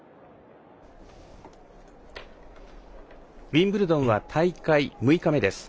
ウィンブルドンは大会６日目です。